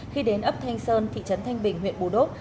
khi đến ấp thanh sơn thị trấn thanh bình huyện bù đốc